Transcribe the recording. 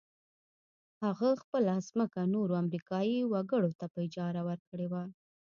هغه خپله ځمکه نورو امريکايي وګړو ته په اجاره ورکړې وه.